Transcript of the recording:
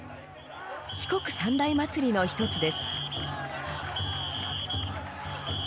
四国三大祭りの一つです。